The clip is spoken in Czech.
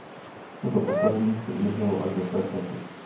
Toto postavení si udržel až do své smrti.